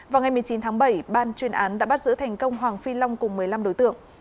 vào ngày một mươi chín tháng bảy ban chuyên án đã bắt giữ thành công hoàng phi long cùng một mươi năm đối tượng